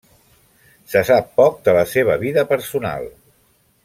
Se sap poc de la seva vida personal.